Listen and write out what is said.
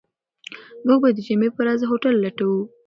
موږ به د جمعې په ورځ هوټل لټوو.